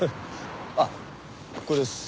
あっこれです。